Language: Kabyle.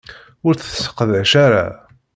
Ur tt-tesseqdac ara.